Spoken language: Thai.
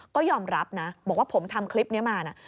ก็ยอมรับนะบอกว่าผมทำคลิปนี้มานะ